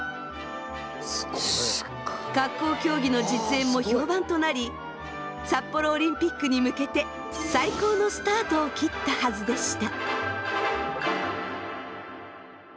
滑降競技の実演も評判となり札幌オリンピックに向けて最高のスタートを切ったはずでした。